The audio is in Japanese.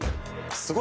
すごい。